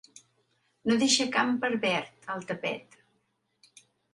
No deixa camp per verd, al tapet.